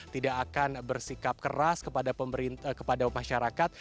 tidak akan bersikap keras kepada masyarakat